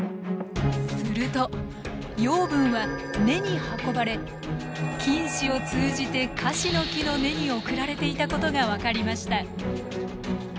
すると養分は根に運ばれ菌糸を通じてカシノキの根に送られていたことが分かりました。